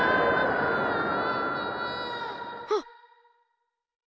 あっ。